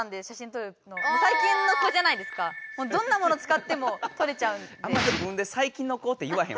どんなものつかっても撮れちゃうんで。